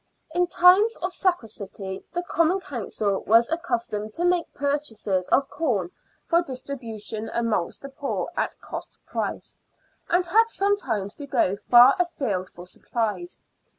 In times of scarcity the Common Council was accus tomed to make purchases of corn for distribution amongst the poor at cost price, and had sometimes to go far afield for supplies.